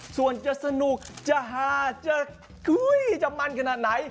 ส่วนจะสนุกจะฮาจะมันขนาดไหน